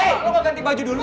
lo mau ganti baju dulu